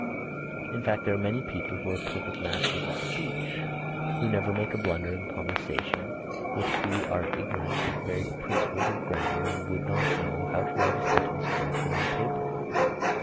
In fact, there are many people who are perfect masters of speech, who never make a blunder in conversation, yet who are ignorant of the very principles of grammar and would not know how to write a sentence correctly on paper.